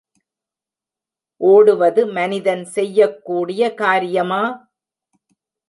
ஓடுவது மனிதன் செய்யக் கூடிய காரியமா!